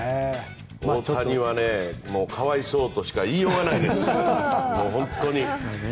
大谷はね、可哀想としか言いようがないです、本当に。